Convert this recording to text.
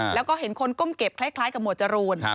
แล้วก็เห็นคนก้มเก็บคล้ายกับหมวดจรูน